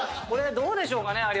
これどうでしょうかね？